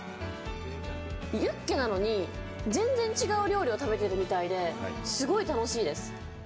ユッケなのに全然違う料理を食べているみたいですごい楽しいです。